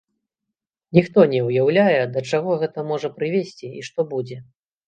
Ніхто не ўяўляе, да чаго гэта можа прывесці і што будзе.